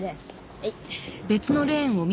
はい。